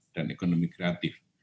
dan ekonomi kerajaan